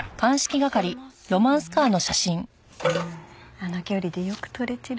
あの距離でよく撮れてる。